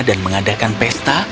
dan mengadakan pesta